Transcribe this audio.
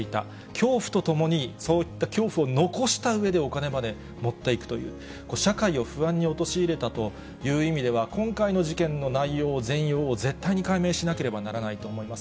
恐怖とともに、そういった恐怖を残したうえでお金まで持っていくという、社会を不安に陥れたという意味では、今回の事件の内容、全容を絶対に解明しなければならないと思います。